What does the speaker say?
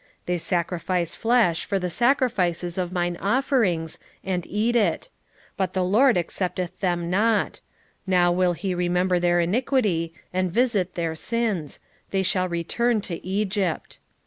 8:13 They sacrifice flesh for the sacrifices of mine offerings, and eat it; but the LORD accepteth them not; now will he remember their iniquity, and visit their sins: they shall return to Egypt.